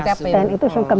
ngabuk ten itu sungkem